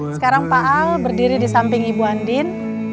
sekarang pak al berdiri disamping ibu andin